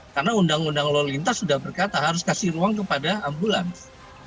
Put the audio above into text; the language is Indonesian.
karena undang undang lalu lintas sudah berkata harus kasih ruang kepada ambulans